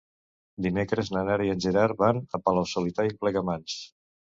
Dimecres na Nara i en Gerard van a Palau-solità i Plegamans.